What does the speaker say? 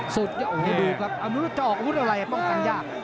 สุดยอดโอ้โหดูครับมันรู้จะออกวุธอะไรป้องกันยาก